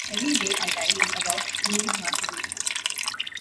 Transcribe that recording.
"Every Day I Die" was about teenage masturbation.